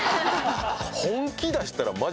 本気出したらマジ。